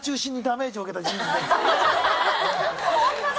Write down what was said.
ホントだ！